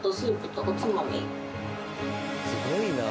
すごいなあ。